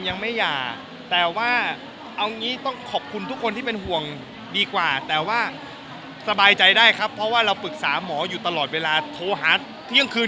ยังไม่หย่าแต่ว่าเอางี้ต้องขอบคุณทุกคนที่เป็นห่วงดีกว่าแต่ว่าสบายใจได้ครับเพราะว่าเราปรึกษาหมออยู่ตลอดเวลาโทรหาเที่ยงคืน